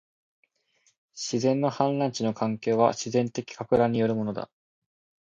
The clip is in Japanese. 自然の氾濫地の環境は、自然的撹乱によるものだ